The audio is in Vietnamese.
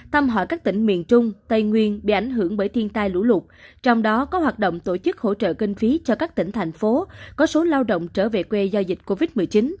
tâm hỏi các tỉnh miền trung tây nguyên bị ảnh hưởng bởi thiên tai lũ lụt trong đó có hoạt động tổ chức hỗ trợ kinh phí cho các tỉnh thành phố có số lao động trở về quê do dịch covid một mươi chín